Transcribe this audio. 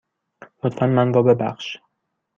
لطفاً من را ببخش.